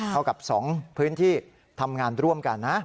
เท่ากับ๒พื้นที่ทำงานร่วมกันนะ